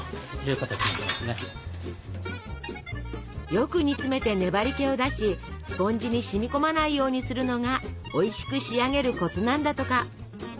よく煮詰めて粘りけを出しスポンジに染みこまないようにするのがおいしく仕上げるコツなんだとか。